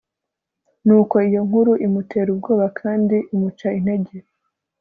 nuko iyo nkuru imutera ubwoba kandi imuca integ